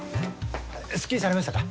すっきりされましたか？